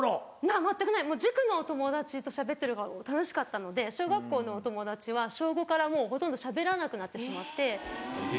全くない塾の友達としゃべってるほうが楽しかったので小学校のお友達は小５からもうほとんどしゃべらなくなってしまって。